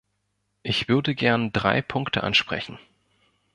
Ich würde gern drei Punkte ansprechen.